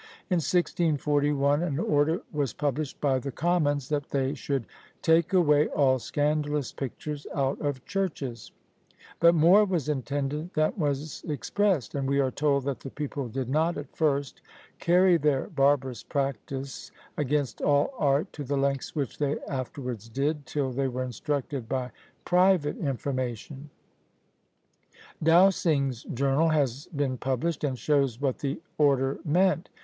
In 1641 an order was published by the Commons, that they should "take away all scandalous pictures out of churches:" but more was intended than was expressed; and we are told that the people did not at first carry their barbarous practice against all Art to the lengths which they afterwards did, till they were instructed by private information! Dowsing's Journal has been published, and shows what the order meant!